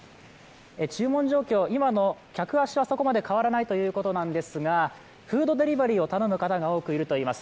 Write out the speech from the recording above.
注文状況、今の客足はそこまで変わらないということなんですが、フードデリバリーを頼む方が多くいるということです。